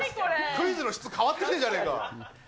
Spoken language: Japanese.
クイズの質、変わってるじゃねえか。